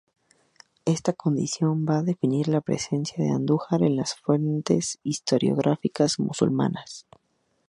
Esta condición va a definir la presencia de Andújar en las fuentes historiográficas musulmanas.